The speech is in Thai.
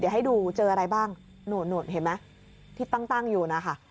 เดี๋ยวให้ดูเจออะไรบ้างนู่นเห็นไหมที่ตั้งอยู่นะคะ